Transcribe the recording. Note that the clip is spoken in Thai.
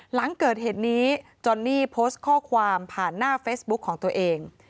หลังเกิดเหตุนี้จอนนี่โพสต์ข้อความผ่านหน้าเฟซบุ๊คของตัวเอง